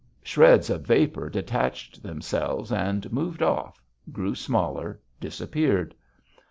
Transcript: Shreds of vapor detached themselves and moved off, grew smaller, disappeared.